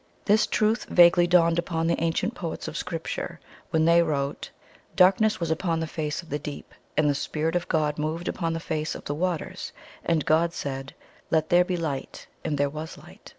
"This truth vaguely dawned upon the ancient poets of Scripture when they wrote: 'Darkness was upon the face of the deep. And the Spirit of God moved upon the face of the waters. And God said, Let there be light. And there was light.'